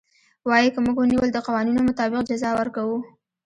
وايي که موږ ونيول د قوانينو مطابق جزا ورکوو.